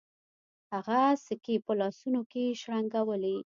هغه سکې په لاسونو کې شرنګولې.